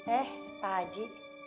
eh pak haji